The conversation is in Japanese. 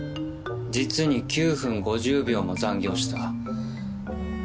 実に９分５０秒も残業した。